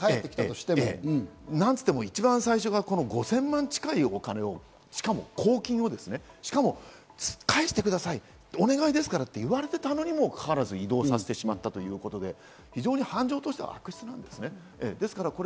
なんて言っても一番最初が５０００万近いお金を、しかも公金を、しかも返してください、お願いですからと言われてたのにもかかわらず移動させてしまったということで、犯情としては悪質です。